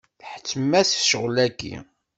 Tḥettem-as ccɣel-agi.